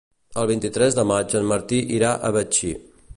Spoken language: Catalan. El vint-i-tres de maig en Martí irà a Betxí.